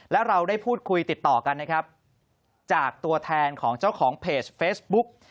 และเราได้พูดคุยติดต่อกันนะครับจากตัวแทนของเจ้าของเพจเฟซบุ๊ก